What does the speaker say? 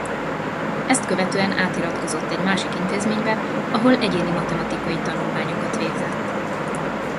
Ezt követően átiratkozott egy másik intézménybe, ahol egyéni matematikai tanulmányokat végzett